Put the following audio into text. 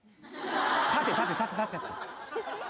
立て立て立て立て。